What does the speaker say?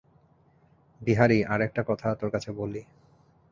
বিহারী, আর-একটা কথা তোর কাছে বলি।